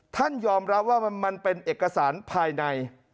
ท่านยอมรับว่ามันเป็นเอกสารภายใน